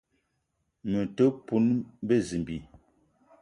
Me te poun bezimbi